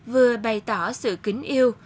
vừa bày tỏ sự kính yêu